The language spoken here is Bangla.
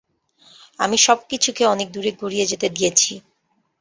আমি সবকিছুকে অনেক দূরে গড়িয়ে যেতে দিয়েছি।